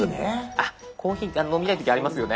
あっコーヒー飲みたい時ありますよね。